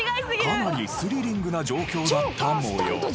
かなりスリリングな状況だった模様。